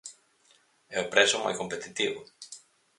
E o prezo moi competitivo.